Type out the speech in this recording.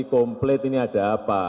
komplit ini ada apa